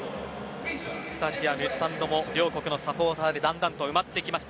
スタジアム、スタンドも両国のサポーターでだんだんと埋まってきました。